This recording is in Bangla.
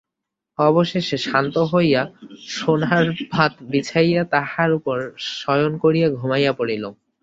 অবশেষে শ্রান্ত হইয়া সোনার পাত বিছাইয়া তাহার উপর শয়ন করিয়া ঘুমাইয়া পড়িল।